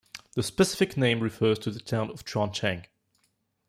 The specific name refers to the town of Chuancheng.